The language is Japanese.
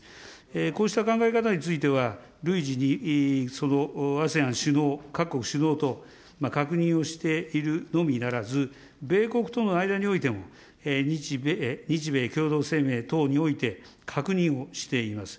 こうした考え方については、累次にそのＡＳＥＡＮ各国首脳と、確認をしているのみならず、米国との間においても日米共同声明等において確認をしています。